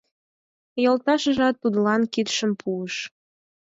Йолташыжат тудлан кидшым пуыш.